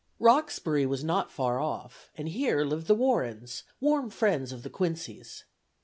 Roxbury was not far off, and here lived the Warrens, warm friends of the Quincys.